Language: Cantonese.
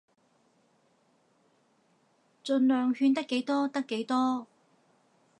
儘量勸得幾多得幾多